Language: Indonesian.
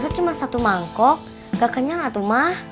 masa cuma satu mangkok gak kenyang atuh mah